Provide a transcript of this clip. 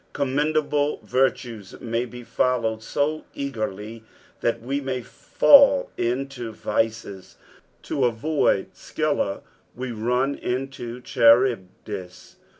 Commendable virtues ma; be followed BO eagerly that we may fall into Tices ; to avoid Scylla we run into Charvbdis.